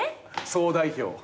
総代表。